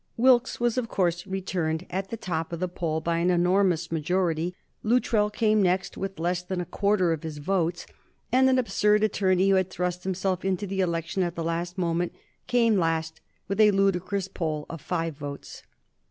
Wilkes was, of course, returned at the top of the poll by an enormous majority. Luttrell came next with less than a quarter of his votes, and an absurd attorney, who had thrust himself into the election at the last moment, came last with a ludicrous poll of five votes.